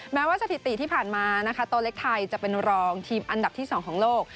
แม้ว่าสถิติที่ผ่านมานะคะโตเล็กไทยจะเป็นรองทีมอันดับที่๒ของโลก